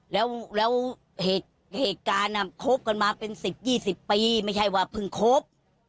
แล้วเหตุการณ์คบกันมาเป็น๑๐๒๐ปีไม่ใช่ว่าเพิ่งคบ